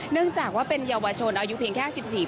เนื่องจากว่าเป็นเยาวชนอายุเพียงแค่๑๔ปี